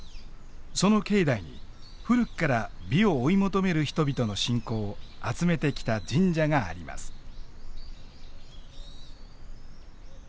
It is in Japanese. その境内に古くから美を追い求める人々の信仰を集めてきた神社があります。